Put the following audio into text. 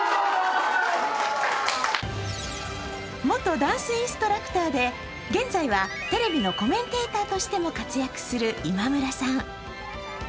元ダンスインストラクターで、現在はテレビのコメンテーターとしても活躍する今村さん。